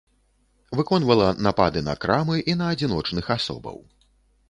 Выконвала напады на крамы і на адзіночных асобаў.